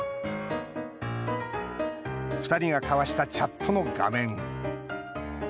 ２人が交わしたチャットの画面。